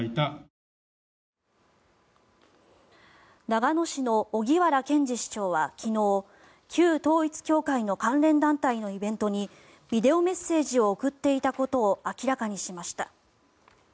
長野市の荻原健司市長は昨日旧統一教会の関連団体のイベントにビデオメッセージを送っていたことを明らかにしました。